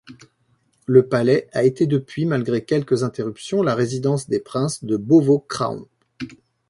Le palais a été depuis, malgré quelques interruptions, la résidence des princes de Beauvau-Craon.